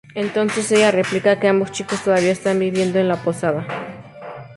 Entonces ella replica que ambos chicos todavía están viviendo en la posada.